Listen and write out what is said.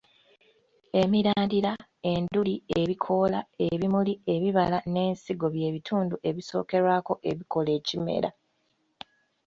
Emirandira, enduli, ebikoola, ebimuli, ebibala n'ensigo by'ebitundu ebisookerwako ebikola ekimera